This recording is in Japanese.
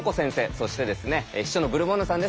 そして秘書のブルボンヌさんです。